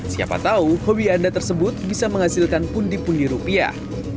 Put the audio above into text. siapa tahu hobi anda tersebut bisa menghasilkan pundi pundi rupiah